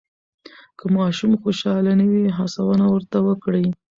که ماشوم خوشحاله نه وي، هڅونه ورته وکړئ.